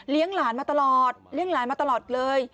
หลานมาตลอดเลี้ยงหลานมาตลอดเลย